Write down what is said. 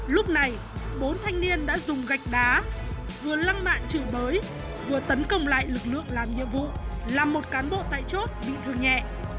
lúc này bốn thanh niên đã dùng gạch đá vừa lăng mạn chửi bới vừa tấn công lại lực lượng làm nhiệm vụ làm một cán bộ tại chốt bị thương nhẹ